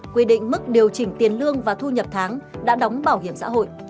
quy định mức điều chỉnh tiền lương và thu nhập tháng đã đóng bảo hiểm xã hội